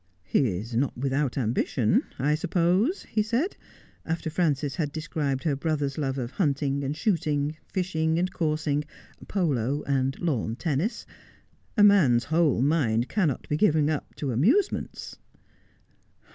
' He is not without ambition, I suppose ?' he said, after Frances had described her brother's love of hunting and shooting, fishing and coursing, polo and lawn tennis. ' A man's whole mind cannot be given up to amusements.'